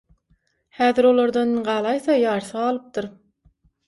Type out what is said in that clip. Häzir olardan galaýsa ýarsy galypdyr.